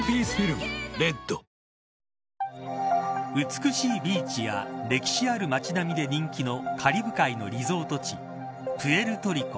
美しいビーチや歴史ある町並みで人気のカリブ海のリゾート地プエルトリコ。